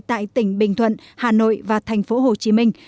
tại tỉnh bình thuận hà nội và thành phố hồ chí minh